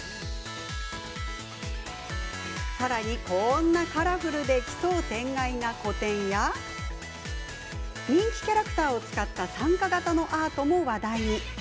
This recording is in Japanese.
さらに、こんなカラフルで奇想天外な個展や人気キャラクターを使った参加型のアートも話題に。